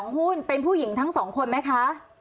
หุ้นเป็นผู้หญิงทั้ง๒คนไหมคะ